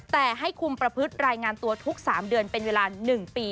แต่ให้คุมประพฤติรายงานตัวทุก๓เดือนเป็นเวลา๑ปี